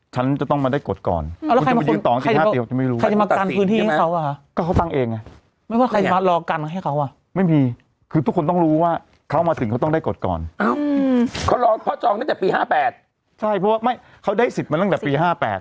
ใช่เพราะว่าเค้าได้สิทธิ์มาตั้งแต่ปี๕๘